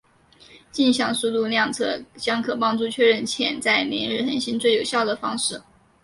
径向速度量测将可帮助确认潜在凌日恒星最有效的方式。